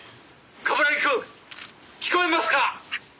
「冠城くん！聞こえますか！」